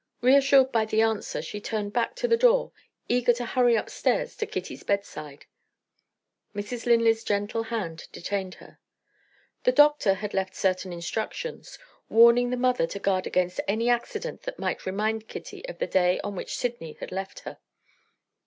Reassured by the answer, she turned back to the door, eager to hurry upstairs to Kitty's bedside. Mrs. Linley's gentle hand detained her. The doctor had left certain instructions, warning the mother to guard against any accident that might remind Kitty of the day on which Sydney had left her.